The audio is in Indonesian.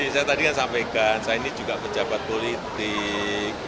saya tadi kan sampaikan saya ini juga pejabat politik